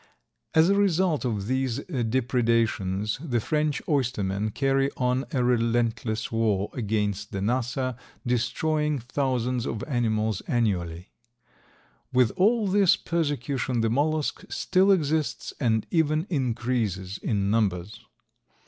As a result of these depredations the French oystermen carry on a relentless war against the Nassa, destroying thousands of animals annually. With all this persecution the mollusk still exists and even increases in numbers.